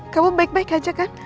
kamu baik baik aja kan